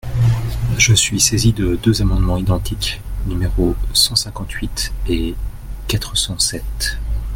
Je suis saisi de deux amendements identiques, numéros cent cinquante-huit et quatre cent sept.